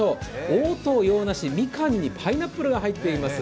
黄桃、洋梨、みかんにパイナップルが入っています。